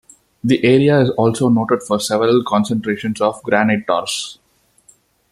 The area is also noted for several concentrations of granite tors.